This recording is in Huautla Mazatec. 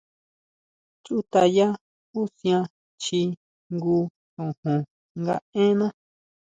Chutʼaya jusian chji jngu xojon nga énna.